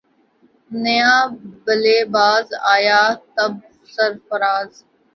نیا بلے باز آیا تب سرفراز